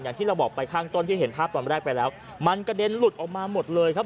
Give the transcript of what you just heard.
อย่างที่เราบอกไปข้างต้นที่เห็นภาพตอนแรกไปแล้วมันกระเด็นหลุดออกมาหมดเลยครับ